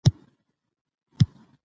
د روسانو په مرسته ترتیب شوې وه.